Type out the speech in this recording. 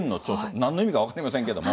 なんの意味か分かりませんけども。